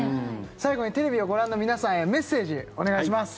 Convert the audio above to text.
最後にテレビをご覧の皆さんへメッセージお願いします